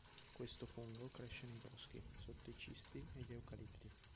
Questo fungo cresce nei boschi, sotto i cisti e gli eucalipti.